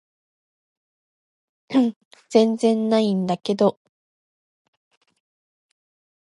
全然ないんだけど